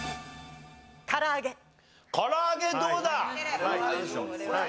から揚げどうだ？